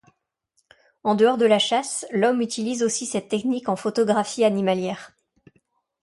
En dehors de la chasse, l'homme utilise aussi cette technique en photographie animalière.